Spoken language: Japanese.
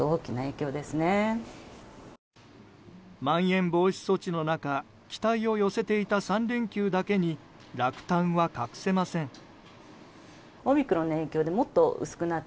まん延防止措置の中期待を寄せていた３連休だけに落胆は隠せません。